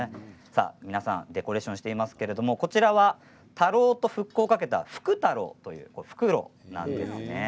皆さんデコレーションしていますけれどもこちらは田老と復興をかけたフクタロウというフクロウなんです。